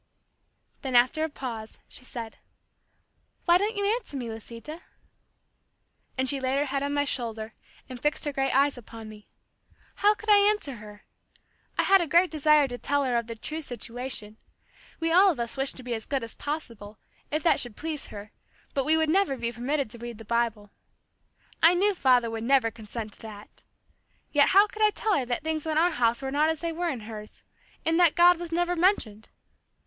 Then after a pause, she said, "Why don't you answer me, Lisita?" And she laid her head on my shoulder and fixed her great eyes upon me. How could I answer her! I had a great desire to tell her of the true situation. We all of us wished to be as good as possible, if that should please her, but we would never be permitted to read the Bible. I knew father would never consent to that. Yet how could I tell her that things in our house were not as they were in hers in that God was never mentioned!